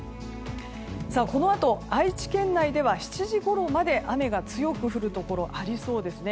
このあと愛知県内では７時ごろまで雨が強く降るところありそうですね。